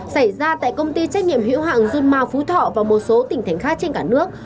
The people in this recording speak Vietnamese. xảy ra tại công ty trách nhiệm hữu hạng zunma phú thọ và một số tỉnh thành khác trên cả nước